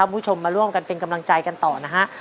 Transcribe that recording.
คุณผู้ชมมาร่วมกันเป็นกำลังใจกันต่อนะฮะ